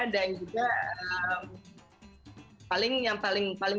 dan juga paling yang paling penting